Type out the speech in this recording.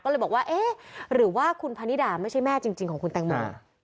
ก็เลยบอกว่าเอ๊ะหรือว่าคุณพนิดาไม่ใช่แม่จริงของคุณแตงโม